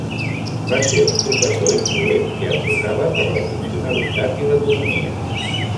Va ser un professor influent que advocava per la funcionalitat i l'economia.